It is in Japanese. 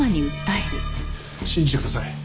信じてください。